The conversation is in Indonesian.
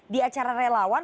di acara relawan